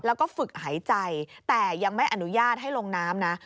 แล้วก็ฝึกหายใจแต่ยังไม่อนุญาตให้ลงน้ำนะ